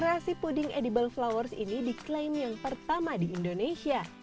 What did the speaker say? kreasi puding edible flowers ini diklaim yang pertama di indonesia